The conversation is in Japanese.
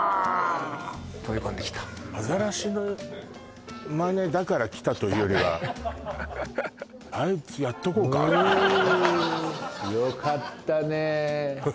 飛び込んできたアザラシのマネだから来たというよりはあいつやっとこうかっていうねよかったね